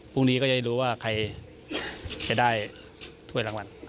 พรุ่งนี้ก็จะรู้ว่าใครจะได้ถ้วยรางวัล